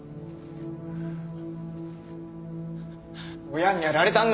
親にやられたんだ。